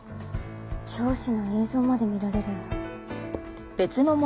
聴取の映像まで見られるんだ。